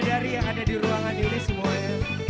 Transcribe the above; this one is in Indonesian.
pindah dari yang ada di ruangan ini semuanya